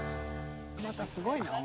またすごいな。